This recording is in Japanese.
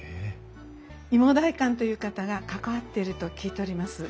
いも代官という方が関わっていると聞いております。